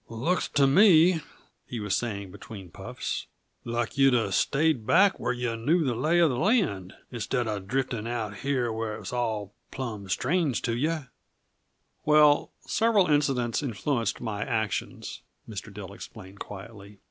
"Looks to me," he was saying between puffs, "like you'd uh stayed back where yuh knew the lay uh the land, instead uh drifting out here where it's all plumb strange to yuh." "Well, several incidents influenced my actions," Mr. Dill explained quietly.